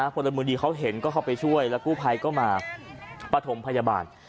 พลเมืองดีเขาเห็นก็เข้าไปช่วยแล้วกู้ภัยก็มาปฐมพยาบาล